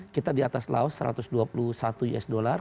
kita di atas laos satu ratus dua puluh satu u s dollar